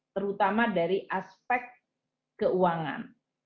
terutama dari aspek keuangan